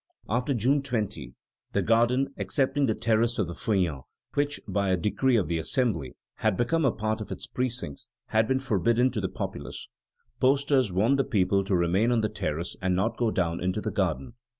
After June 20, the garden, excepting the terrace of the Feuillants, which, by a decree of the Assembly, had become a part of its precincts, had been forbidden to the populace. Posters warned the people to remain on the terrace and not go down into the garden.